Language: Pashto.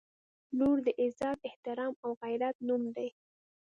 • لور د عزت، احترام او غیرت نوم دی.